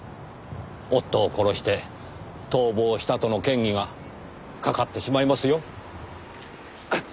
夫を殺して逃亡したとの嫌疑がかかってしまいますよ。